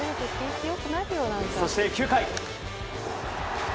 そして９回。